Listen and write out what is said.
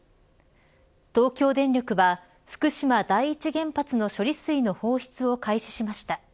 東京電力は福島第一原発の処理水の放出を開始しました。